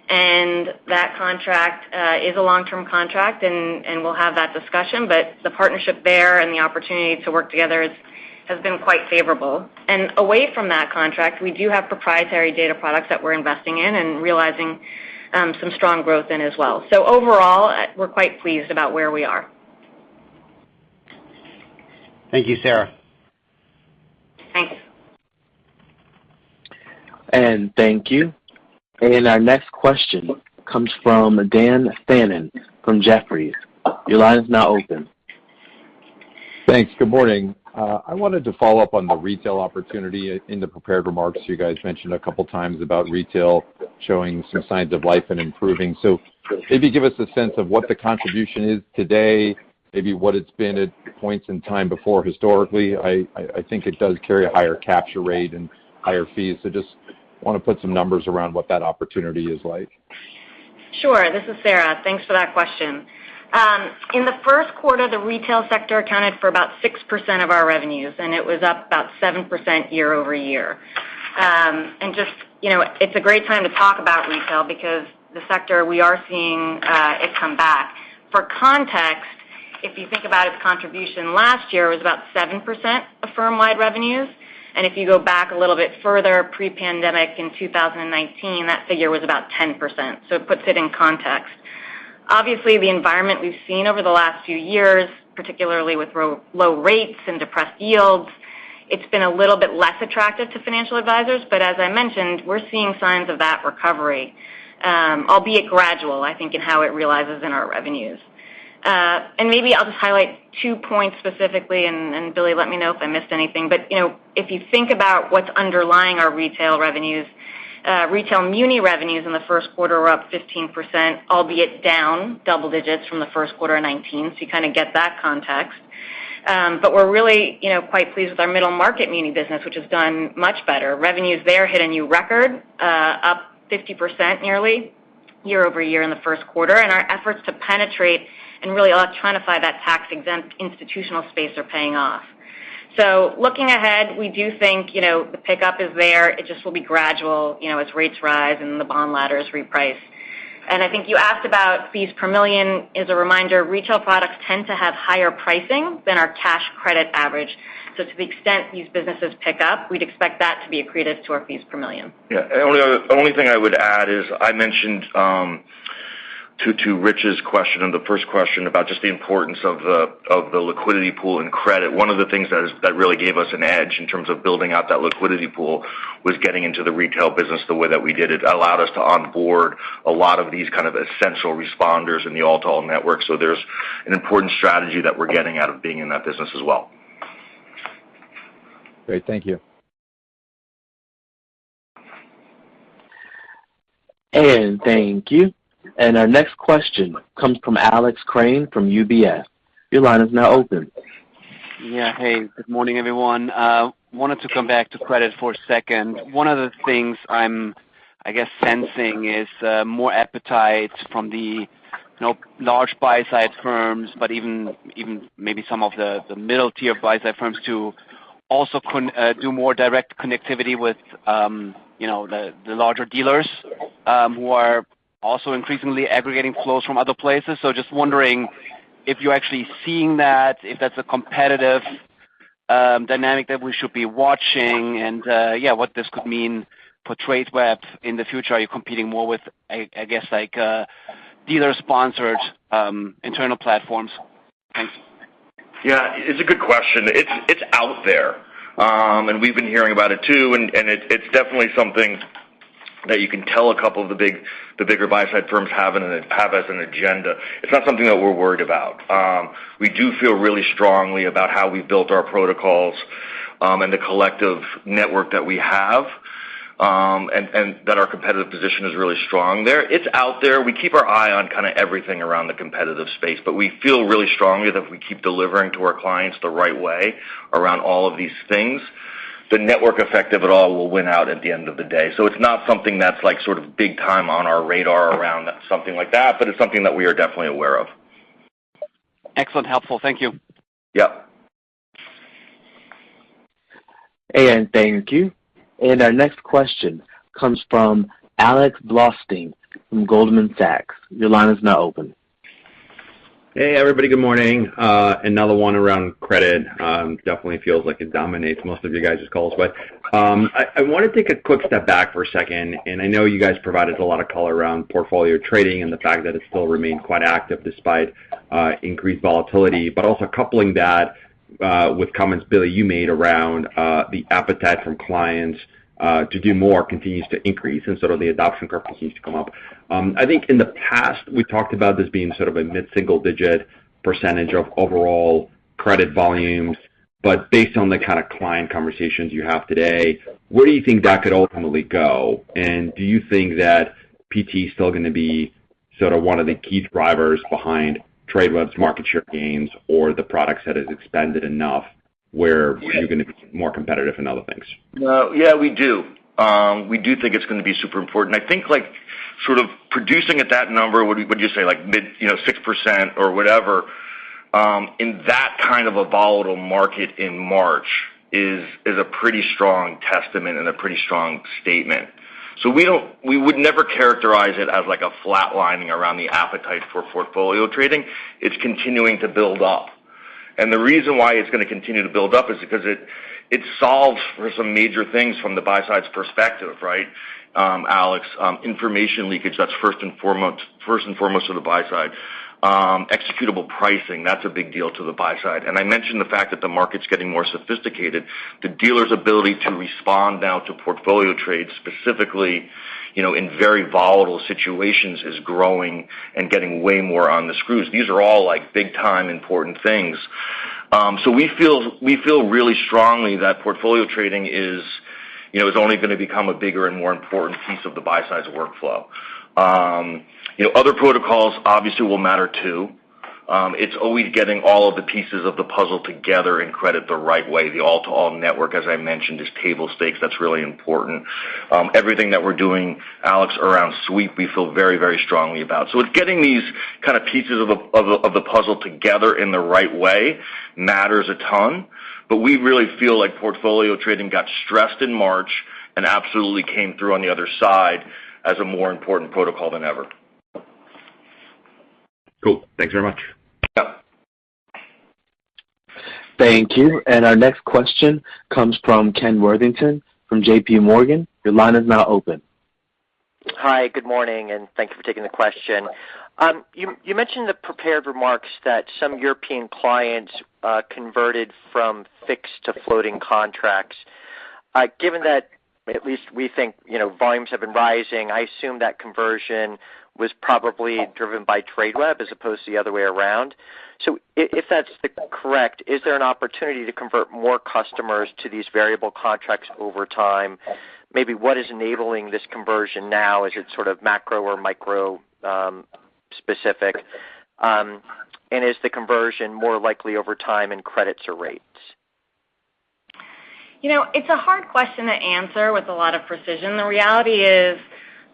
[SPEAKER 5] and that contract is a long-term contract, and we'll have that discussion. The partnership there and the opportunity to work together is, has been quite favorable. Away from that contract, we do have proprietary data products that we're investing in and realizing some strong growth in as well. Overall, we're quite pleased about where we are.
[SPEAKER 9] Thank you, Sara.
[SPEAKER 5] Thanks.
[SPEAKER 1] Thank you. Our next question comes from Dan Fannon from Jefferies. Your line is now open.
[SPEAKER 10] Thanks. Good morning. I wanted to follow up on the retail opportunity. In the prepared remarks, you guys mentioned a couple times about retail showing some signs of life and improving. Maybe give us a sense of what the contribution is today, maybe what it's been at points in time before historically. I think it does carry a higher capture rate and higher fees. Just wanna put some numbers around what that opportunity is like.
[SPEAKER 5] Sure. This is Sara. Thanks for that question. In the Q1, the retail sector accounted for about 6% of our revenues, and it was up about 7% year-over-year. Just, you know, it's a great time to talk about retail because the sector, we are seeing, it come back. For context, if you think about its contribution last year, it was about 7% of firm-wide revenues. If you go back a little bit further, pre-pandemic in 2019, that figure was about 10%. It puts it in context. Obviously, the environment we've seen over the last few years, particularly with low rates and depressed yields, it's been a little bit less attractive to financial advisors. As I mentioned, we're seeing signs of that recovery, albeit gradual, I think, in how it realizes in our revenues. Maybe I'll just highlight two points specifically, and Billy, let me know if I missed anything. You know, if you think about what's underlying our retail revenues, retail muni revenues in the Q1 were up 15%, albeit down double digits from the Q1 of 2019. You kind of get that context. We're really, you know, quite pleased with our middle market muni business, which has done much better. Revenues there hit a new record, up nearly 50% year-over-year in the Q1. Our efforts to penetrate and really electronify that tax-exempt institutional space are paying off. Looking ahead, we do think, you know, the pickup is there. It just will be gradual, you know, as rates rise and the bond ladders reprice. I think you asked about fees per million. As a reminder, retail products tend to have higher pricing than our cash credit average. To the extent these businesses pick up, we'd expect that to be accretive to our fees per million.
[SPEAKER 4] Yeah. The only thing I would add is I mentioned to Rich's question and the first question about just the importance of the liquidity pool and credit. One of the things that really gave us an edge in terms of building out that liquidity pool was getting into the retail business the way that we did. It allowed us to onboard a lot of these kind of essential responders in the all-to-all network. There's an important strategy that we're getting out of being in that business as well.
[SPEAKER 10] Great. Thank you.
[SPEAKER 1] Thank you. Our next question comes from Alex Kramm from UBS. Your line is now open.
[SPEAKER 11] Yeah. Hey, good morning, everyone. Wanted to come back to credit for a second. One of the things I'm, I guess, sensing is more appetite from the, you know, large buy side firms, but even maybe some of the middle tier buy side firms to also do more direct connectivity with, you know, the larger dealers, who are also increasingly aggregating flows from other places. So just wondering if you're actually seeing that, if that's a competitive dynamic that we should be watching. Yeah, what this could mean for Tradeweb in the future. Are you competing more with, I guess, like, dealer-sponsored internal platforms? Thanks.
[SPEAKER 4] Yeah. It's a good question. It's out there, and we've been hearing about it too. And it's definitely something that you can tell a couple of the bigger buy side firms have as an agenda. It's not something that we're worried about. We do feel really strongly about how we built our protocols, and the collective network that we have, and that our competitive position is really strong there. It's out there. We keep our eye on kinda everything around the competitive space, but we feel really strongly that if we keep delivering to our clients the right way around all of these things, the network effect of it all will win out at the end of the day. It's not something that's like sort of big time on our radar around something like that, but it's something that we are definitely aware of.
[SPEAKER 11] Excellent, helpful. Thank you.
[SPEAKER 4] Yep.
[SPEAKER 1] Thank you. Our next question comes from Alex Blostein from Goldman Sachs. Your line is now open.
[SPEAKER 12] Hey, everybody. Good morning. Another one around credit, definitely feels like it dominates most of you guys' calls. I wanna take a quick step back for a second, and I know you guys provided a lot of color around portfolio trading and the fact that it still remained quite active despite increased volatility, but also coupling that with comments, Billy, you made around the appetite from clients to do more continues to increase and sort of the adoption curve continues to come up. I think in the past, we talked about this being sort of a mid-single digit percentage of overall credit volumes. Based on the kinda client conversations you have today, where do you think that could ultimately go? Do you think that PT is still gonna be sorta one of the key drivers behind Tradeweb's market share gains or the products that has expanded enough where you're gonna be more competitive in other things?
[SPEAKER 4] Well, yeah, we do. We do think it's gonna be super important. I think, like, sort of producing at that number, what did you say, like mid, you know, 6% or whatever, in that kind of a volatile market in March is a pretty strong testament and a pretty strong statement. We would never characterize it as like a flat lining around the appetite for portfolio trading. It's continuing to build up. The reason why it's gonna continue to build up is because it solves for some major things from the buy side's perspective, right, Alex. Executable pricing, that's a big deal to the buy side. I mentioned the fact that the market's getting more sophisticated. The dealer's ability to respond now to portfolio trades, specifically, you know, in very volatile situations, is growing and getting way more on the screws. These are all, like, big time important things. We feel really strongly that portfolio trading is, you know, only gonna become a bigger and more important piece of the buy side's workflow. You know, other protocols obviously will matter, too. It's always getting all of the pieces of the puzzle together and credit the right way. The all-to-all network, as I mentioned, is table stakes. That's really important. Everything that we're doing, Alex, around Sweep, we feel very, very strongly about. It's getting these kind of pieces of the puzzle together in the right way matters a ton. We really feel like portfolio trading got stressed in March and absolutely came through on the other side as a more important protocol than ever.
[SPEAKER 12] Cool. Thanks very much.
[SPEAKER 4] Yeah.
[SPEAKER 1] Thank you. Our next question comes from Ken Worthington from JPMorgan. Your line is now open.
[SPEAKER 13] Hi, good morning, and thank you for taking the question. You mentioned in the prepared remarks that some European clients converted from fixed to floating contracts. Given that at least we think, you know, volumes have been rising, I assume that conversion was probably driven by Tradeweb as opposed to the other way around. If that's correct, is there an opportunity to convert more customers to these variable contracts over time? Maybe what is enabling this conversion now? Is it sort of macro or micro specific? Is the conversion more likely over time in credits or rates?
[SPEAKER 5] You know, it's a hard question to answer with a lot of precision. The reality is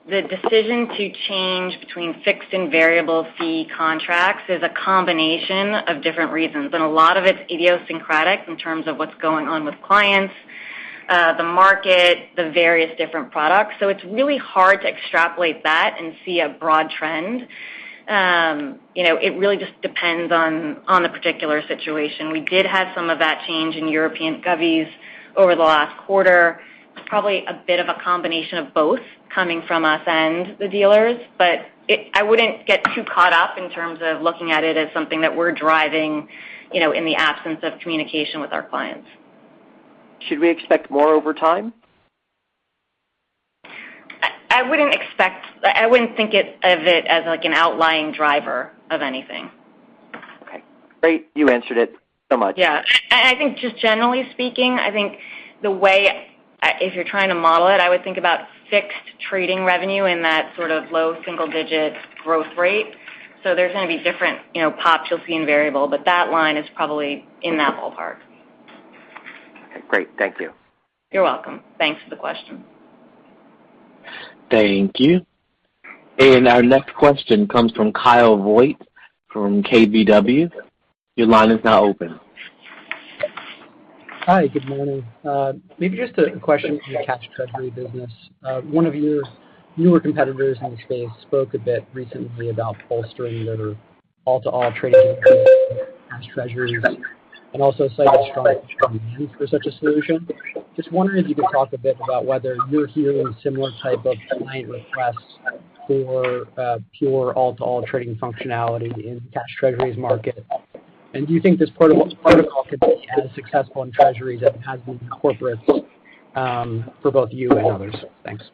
[SPEAKER 5] the decision to change between fixed and variable fee contracts is a combination of different reasons, and a lot of it's idiosyncratic in terms of what's going on with clients, the market, the various different products. It's really hard to extrapolate that and see a broad trend. You know, it really just depends on the particular situation. We did have some of that change in European govies over the last quarter. It's probably a bit of a combination of both coming from us and the dealers. I wouldn't get too caught up in terms of looking at it as something that we're driving, you know, in the absence of communication with our clients.
[SPEAKER 13] Should we expect more over time?
[SPEAKER 5] I wouldn't think of it as like an outlying driver of anything.
[SPEAKER 13] Okay. Great. You answered it so much.
[SPEAKER 5] Yeah. I think just generally speaking, I think the way if you're trying to model it, I would think about fixed trading revenue in that sort of low single digit growth rate. There's gonna be different, you know, pops you'll see in variable, but that line is probably in that ballpark.
[SPEAKER 13] Okay, great. Thank you.
[SPEAKER 5] You're welcome. Thanks for the question.
[SPEAKER 1] Thank you. Our next question comes from Kyle Voigt from KBW. Your line is now open.
[SPEAKER 14] Hi, good morning. Maybe just a question on the cash treasury business. One of your newer competitors in the space spoke a bit recently about bolstering their all-to-all trading Treasuries and also cited strong needs for such a solution. Just wondering if you could talk a bit about whether you're hearing similar type of client requests for pure all-to-all trading functionality in cash Treasuries market. Do you think this protocol could be as successful in treasury that it has been in corporates, for both you and others? Thanks.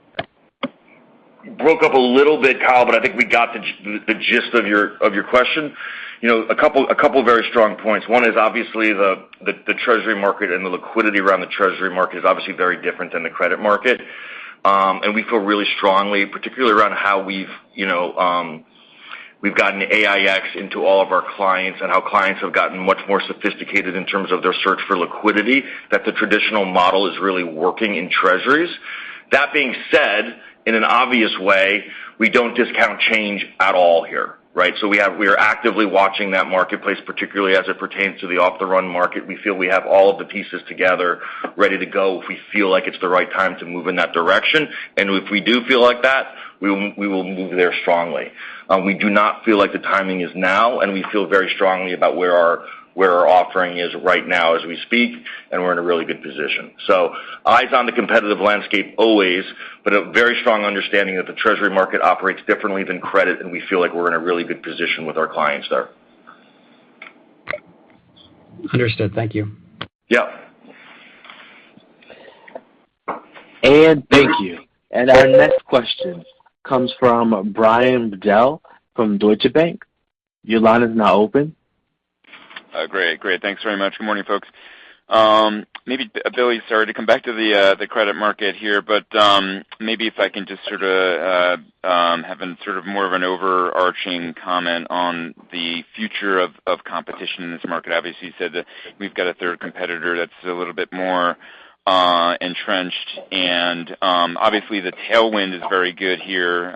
[SPEAKER 4] Broke up a little bit, Kyle, but I think we got the gist of your question. You know, a couple of very strong points. One is obviously the treasury market and the liquidity around the treasury market is obviously very different than the credit market. We feel really strongly, particularly around how we've, you know, we've gotten AiEX into all of our clients and how clients have gotten much more sophisticated in terms of their search for liquidity, that the traditional model is really working in Treasuries. That being said, in an obvious way, we don't discount change at all here, right? We are actively watching that marketplace, particularly as it pertains to the off-the-run market. We feel we have all of the pieces together ready to go if we feel like it's the right time to move in that direction. If we do feel like that, we will move there strongly. We do not feel like the timing is now, and we feel very strongly about where our offering is right now as we speak, and we're in a really good position. Eyes on the competitive landscape always, but a very strong understanding that the treasury market operates differently than credit, and we feel like we're in a really good position with our clients there.
[SPEAKER 14] Understood. Thank you.
[SPEAKER 4] Yeah.
[SPEAKER 1] Thank you. Our next question comes from Brian Bedell from Deutsche Bank. Your line is now open.
[SPEAKER 15] Great, great. Thanks very much. Good morning, folks. Maybe, Billy, sorry to come back to the credit market here, but maybe if I can just sort of have a more of an overarching comment on the future of competition in this market. Obviously, you said that we've got a third competitor that's a little bit more entrenched. Obviously, the tailwind is very good here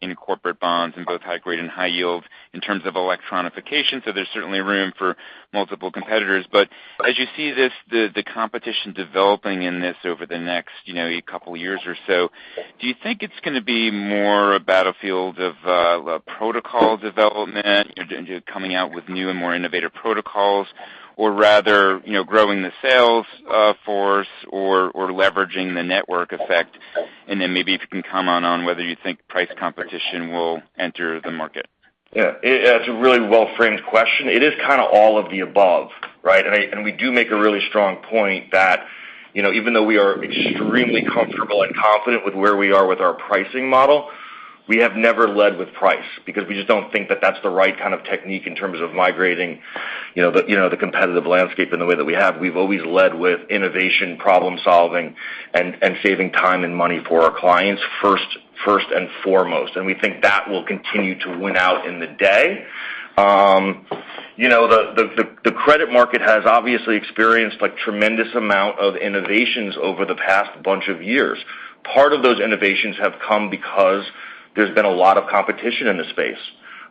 [SPEAKER 15] in corporate bonds in both high grade and high yield in terms of electronification. There's certainly room for multiple competitors. As you see this, the competition developing in this over the next, you know, couple years or so, do you think it's gonna be more a battlefield of, protocol development, you know, coming out with new and more innovative protocols or rather, you know, growing the sales, force or leveraging the network effect? Then maybe if you can comment on whether you think price competition will enter the market.
[SPEAKER 4] Yeah. It's a really well-framed question. It is kinda all of the above, right? We do make a really strong point that, you know, even though we are extremely comfortable and confident with where we are with our pricing model, we have never led with price because we just don't think that that's the right kind of technique in terms of migrating, you know, the competitive landscape in the way that we have. We've always led with innovation, problem-solving and saving time and money for our clients first and foremost. We think that will continue to win out in the end. You know, the credit market has obviously experienced like a tremendous amount of innovations over the past bunch of years. Part of those innovations have come because there's been a lot of competition in the space.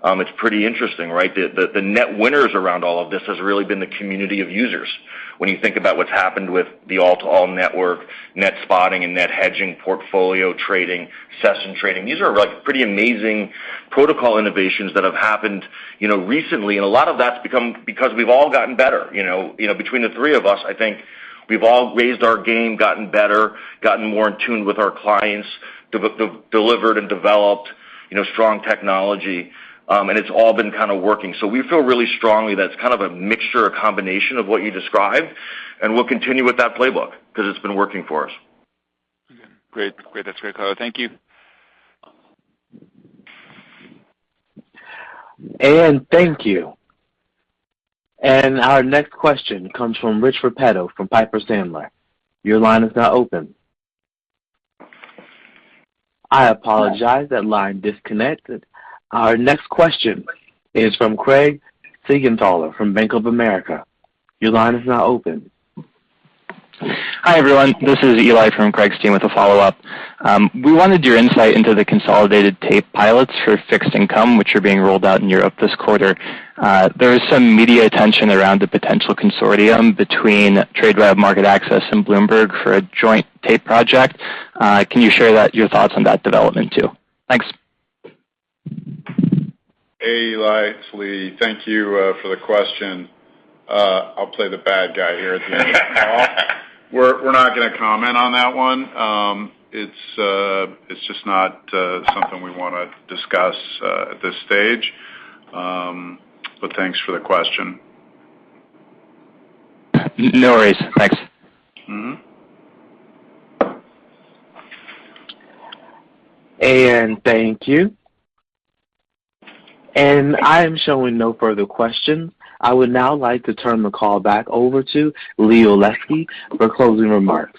[SPEAKER 4] It's pretty interesting, right? The net winners around all of this has really been the community of users. When you think about what's happened with the all-to-all network, net spotting and net hedging, portfolio trading, session trading, these are like pretty amazing protocol innovations that have happened, you know, recently. A lot of that's become because we've all gotten better, you know. You know, between the three of us, I think we've all raised our game, gotten better, gotten more in tune with our clients, delivered and developed, you know, strong technology. It's all been kinda working. We feel really strongly that it's kind of a mixture or combination of what you described, and we'll continue with that playbook because it's been working for us.
[SPEAKER 15] Great. That's great. Thank you.
[SPEAKER 1] Thank you. Our next question comes from Rich Repetto from Piper Sandler. Your line is now open. I apologize, that line disconnected. Our next question is from Craig Siegenthaler from Bank of America. Your line is now open.
[SPEAKER 9] Hi, everyone. This is Eli from Craig's team with a follow-up. We wanted your insight into the consolidated tape pilots for fixed income, which are being rolled out in Europe this quarter. There is some media attention around a potential consortium between Tradeweb, MarketAxess, and Bloomberg for a joint tape project. Can you share your thoughts on that development too? Thanks.
[SPEAKER 3] Hey, Eli. It's Lee. Thank you for the question. I'll play the bad guy here at the end of the call. We're not gonna comment on that one. It's just not something we wanna discuss at this stage. Thanks for the question.
[SPEAKER 9] No worries. Thanks.
[SPEAKER 3] Mm-hmm.
[SPEAKER 1] Thank you. I am showing no further questions. I would now like to turn the call back over to Lee Olesky for closing remarks.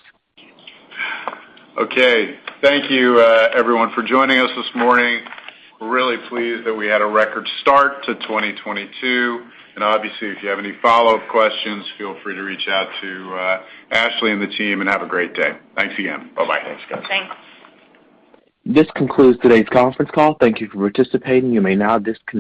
[SPEAKER 3] Okay. Thank you, everyone for joining us this morning. We're really pleased that we had a record start to 2022. Obviously, if you have any follow-up questions, feel free to reach out to Ashley and the team, and have a great day. Thanks again. Bye-bye.
[SPEAKER 4] Thanks, guys.
[SPEAKER 5] Thanks.
[SPEAKER 1] This concludes today's conference call. Thank you for participating. You may now disconnect.